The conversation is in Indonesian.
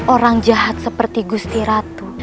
orang jahat seperti gusti ratu